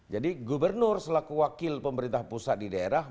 jadi gubernur selaku wakil pemerintah pusat di daerah